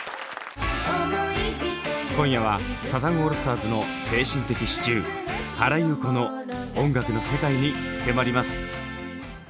今夜はサザンオールスターズの精神的支柱原由子の音楽の世界に迫ります。